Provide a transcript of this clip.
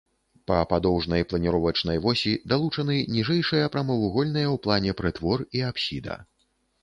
Па падоўжнай планіровачнай восі далучаны ніжэйшыя прамавугольныя ў плане прытвор і апсіда.